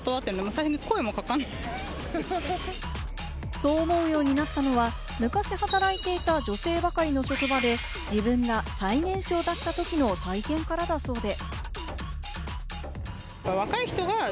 そう思うようになったのは、昔働いていた女性ばかりの職場で、自分が最年少だったときの体験からだそうで。